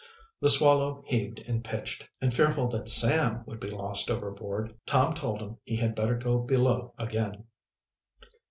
The Swallow heaved and pitched, and fearful that Sam would be lost overboard, Tom told him he had better go below again.